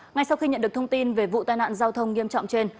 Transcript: ngay sau khi nhận được thông tin về vụ tai nạn giao thông nghiêm trọng trên